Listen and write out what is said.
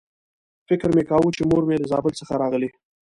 فکر مې کاوه چې مور مې له زابل څخه راغلې.